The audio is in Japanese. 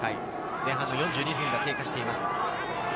前半４２分が経過しています。